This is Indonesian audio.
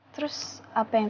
terjata selama ini